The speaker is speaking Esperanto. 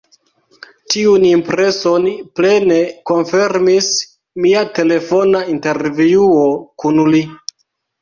Tiun impreson plene konfirmis mia telefona intervjuo kun li.